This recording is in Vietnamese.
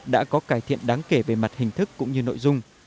đã có cải thiện đáng kể về mặt hình thức cũng như nội dung